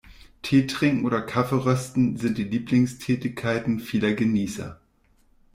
Teetrinken oder Kaffeerösten sind die Lieblingstätigkeiten vieler Genießer.